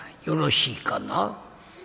よろしいかな」。